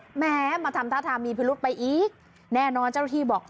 หมายนั้นมาทำท่าทามีผิวรูดไปอีกแน่นอนเจ้าหนุ่มที่บอก